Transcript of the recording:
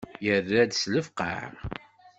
Yerra-d s lefqeε.